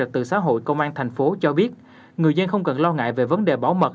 từ xã hội công an thành phố cho biết người dân không cần lo ngại về vấn đề bảo mật